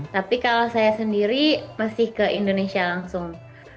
tapi kalau saya sendiri masih ke indonesia langsung